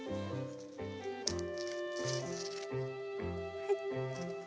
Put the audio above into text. はい。